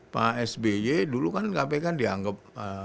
pak sby dulu kan kpk dianggap